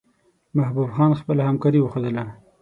محبوب خان خپله همکاري وښودله.